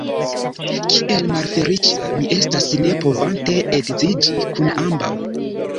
Kiel malfeliĉa mi estas, ne povante edziĝi kun ambaŭ.